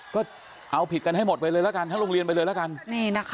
ก็เอาผิดกันให้หมดไปเลยละกันทั้งโรงเรียนไปเลยละกัน